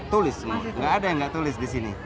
tulis enggak ada yang enggak tulis di sini